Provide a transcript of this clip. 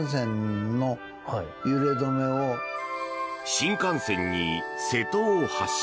新幹線に瀬戸大橋。